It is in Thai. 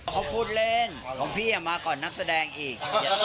เขาพูดเล่นของพี่มาก่อนนักแสดงอีก